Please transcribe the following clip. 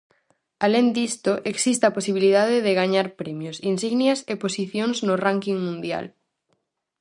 Alén disto, existe a posibilidade de gañar premios, insignias e posicións no ránking mundial.